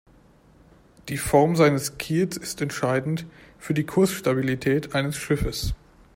Die Form seines Kiels ist entscheidend für die Kursstabilität eines Schiffes.